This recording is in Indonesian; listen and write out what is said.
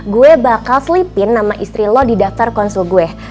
gue bakal slipin nama istri lo di daftar konsul gue